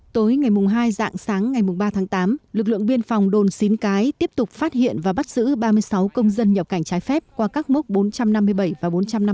tối ngày hai dạng sáng ngày ba tháng tám lực lượng biên phòng đồn xín cái tiếp tục phát hiện và bắt giữ ba mươi sáu công dân nhập cảnh trái phép qua các mốc bốn trăm năm mươi bảy và bốn trăm năm mươi